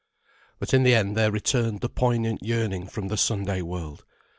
But in the end there returned the poignant yearning from the Sunday world.